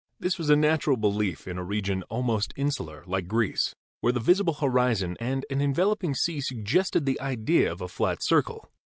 This was a natural belief in a region almost insular, like Greece, where the visible horizon and an enveloping sea suggested the idea of a flat circle.